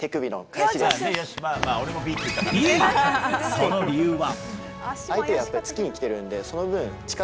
その理由は？